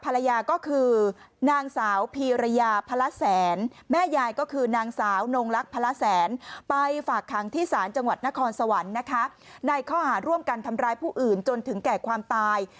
ลักษณ์ภาระแสนไปฝากคังที่สารจังหวัดนครสวรรค์นะคะในข้อหารร่วมกันทำร้ายผู้อื่นจนถึงแก่ความตาย